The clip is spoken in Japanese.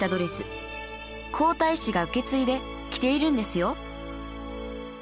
皇太子が受け継いで着ているんですよ